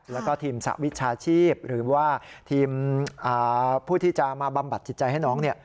แล้วก็ทีมสหวิชาชีพหรือว่าทีมผู้ที่จะมาบำบัดจิตใจให้น้อง